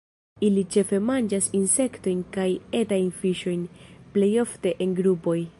Ili ĉefe manĝas insektojn kaj etajn fiŝojn, plej ofte en grupoj.